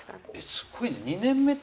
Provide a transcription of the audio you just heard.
すごいね。